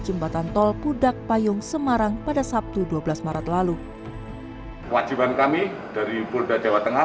jembatan tol pudak payung semarang pada sabtu dua belas maret lalu wajiban kami dari polda jawa tengah